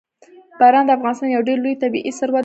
باران د افغانستان یو ډېر لوی طبعي ثروت دی.